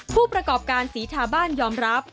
ผู้ประกอบการศรีทาบ้านยอมรับ